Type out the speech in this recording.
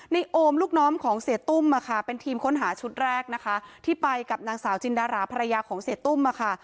โอมลูกน้องของเสียตุ้มเป็นทีมค้นหาชุดแรกนะคะที่ไปกับนางสาวจินดาราภรรยาของเสียตุ้มอะค่ะ